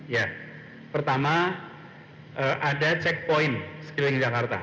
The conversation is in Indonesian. ya pertama ada checkpoint sekeliling jakarta